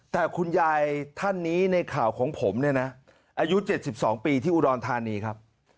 แต่คุณยายท่านนี้ในข่าวของผมเนี่ยนะอายุ๗๒ปีที่อุดรธานีครับ